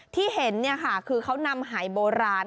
ที่เห็นคือเขานำหายโบราณ